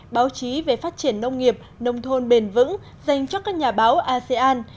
báo chí về phát triển nông nghiệp nông thôn bền vững dành cho các nhà báo asean